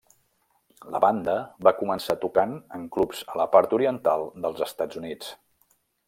La banda va començar tocant en clubs a la part oriental dels Estats Units.